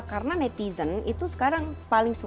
karena netizen itu sekarang paling sulit